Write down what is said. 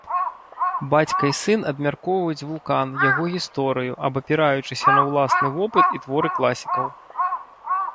Бацька і сын абмяркоўваюць вулкан, яго гісторыю, абапіраючыся на ўласны вопыт і творы класікаў.